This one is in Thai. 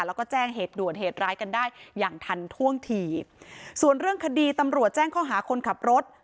แล้วก็แจ้งเหตุด่วนเหตุร้ายกันได้อย่างทันท่วงทีส่วนเรื่องคดีตำรวจแจ้งข้อหาคนขับรถ